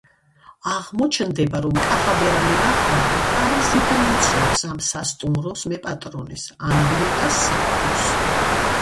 აღმოჩნდება, რომ კახაბერ ამილახვარი პარიზიდან იცნობს ამ სასტუმროს მეპატრონეს, ანრიეტა სარდუს.